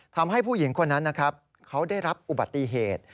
ทำให้ผู้หญิงคนนั้นนะครับเขาได้รับอุบัติเหตุ